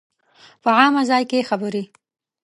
په عامه ځای کې خبرې